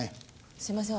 すみません